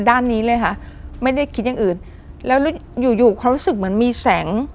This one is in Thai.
ด้านนี้เลยค่ะไม่ได้คิดอย่างอื่นแล้วอยู่อยู่เขารู้สึกเหมือนมีแสง